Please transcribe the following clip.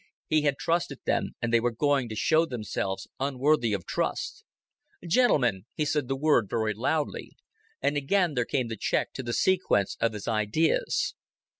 He had trusted them, and they were going to show themselves unworthy of trust. "Gentlemen," he said the word very loudly, and again there came the check to the sequence of his ideas.